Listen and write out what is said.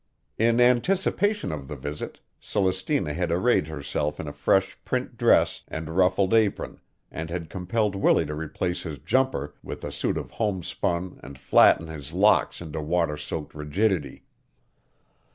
In anticipation of the visit Celestina had arrayed herself in a fresh print dress and ruffled apron and had compelled Willie to replace his jumper with a suit of homespun and flatten his locks into water soaked rigidity.